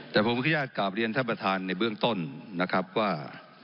แต่ผมขออนุญาตกลับเรียนท่านประธานในเบื้องต้นนะครับว่า